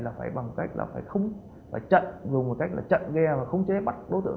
là phải bằng cách là phải không phải chặn dùng một cách là chặn ghe và không chế bắt đối tượng